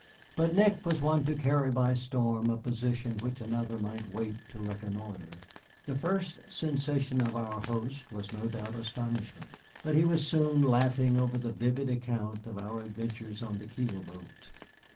But Nick was one to carry by storm a position which another might wait to reconnoitre. The first sensation of our host was no doubt astonishment, but he was soon laughing over a vivid account of our adventures on the keel boat.